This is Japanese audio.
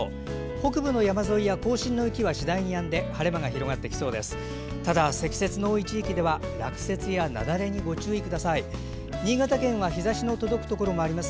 北部の山沿いや甲信の雪は次第にやんで晴れ間が広がってきそうです。